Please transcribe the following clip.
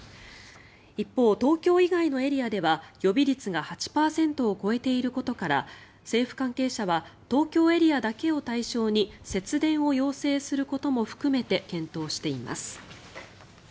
一方、東京以外のエリアでは予備率が８％を超えていることから政府関係者は東京エリアだけを対象に節電を要請することも含めて検討しています。